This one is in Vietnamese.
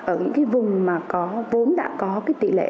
ở những vùng vốn đã có tỷ lệ